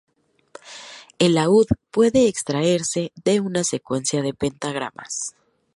El laúd puede extraerse de una secuencia de pentagramas.